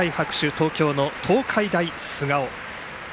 東京の東海大菅生。